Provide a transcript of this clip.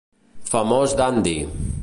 famós Dandi